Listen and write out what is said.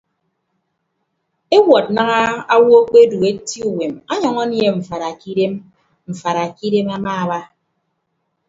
Ewọd daña owo akpedu eti uwem ọnyʌñ anie mfaada kidem mfaada kidem amaaba.